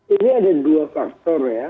ini ada dua faktor ya